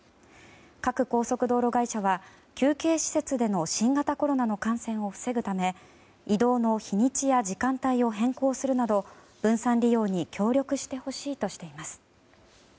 各高速道路会社は休憩施設での新型コロナの感染を防ぐため移動の日にちや時間帯を変更するなど、分散利用に協力してほしいとしています。